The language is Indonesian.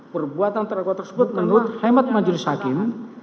perbuatan terakwa tersebut menurut hemat majid sakin